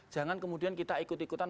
jangan kemudian kita ikut ikutan